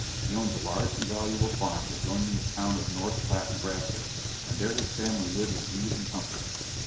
He owns a large and valuable farm adjoining the town of North Platte, Nebraska, and there his family live in ease and comfort.